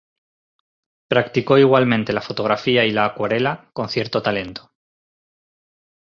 Practicó igualmente la fotografía y la acuarela con cierto talento.